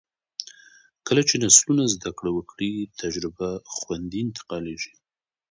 کله چې نسلونه زده کړه وکړي، تجربه خوندي انتقالېږي.